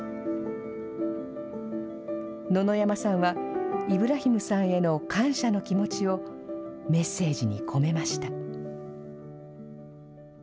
野々山さんは、イブラヒムさんへの感謝の気持ちを、メッセージに込めました。